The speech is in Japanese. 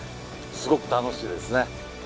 すごく楽しいですね